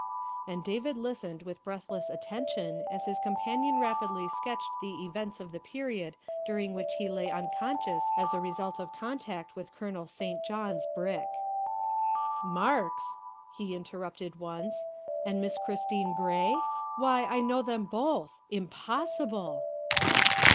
'' And David listened with breathless attention as his companion rapidly sketched the events of the period during which he lay unconscious as a result of contact with Colonel St. John's brick." " Marks," he interrupted once, " and Miss Christine Gray? Why, I know them both. Impossible!"